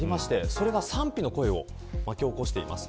それが賛否の声を巻き起こしています。